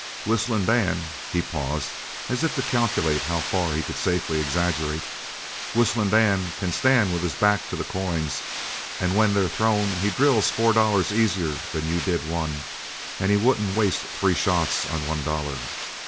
Whistlin' Dan" he paused, as if to calculate how far he could safely exaggerate "Whistlin' Dan can stand with his back to the coins an' when they're thrown he drills four dollars easier than you did one an' he wouldn't waste three shots on one dollar.